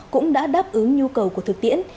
cũng đã đáp ứng nhu cầu của thực tiễn